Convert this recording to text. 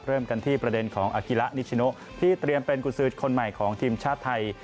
เริ่มกันที่ประเด็นของอากิระนิชโนที่เตรียมเป็นกุศือคนใหม่ของทีมชาติไทย